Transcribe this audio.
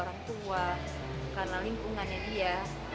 karena orang tua karena lingkungannya dia